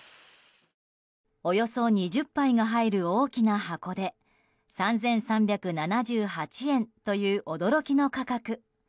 およそ２０杯が入る大きな箱で３３７８円という驚きの価格。